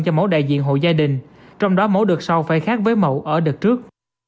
cho mẫu đại diện hộ gia đình trong đó mẫu được so với mẫu ở đợt trước